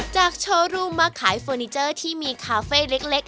โชว์รูมมาขายเฟอร์นิเจอร์ที่มีคาเฟ่เล็ก